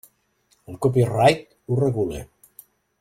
El copyright ho regula.